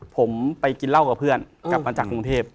ผมไปกินเหล้ากับเพื่อนกลับมาจากกรุงเทพ